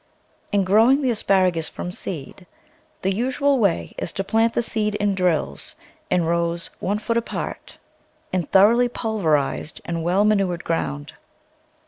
In growing the asparagus from seed, the usual way is to plant the seed in drills in rows one foot apart in thor PERENNIAL VEGETABLES oughly pulverized and well manured ground.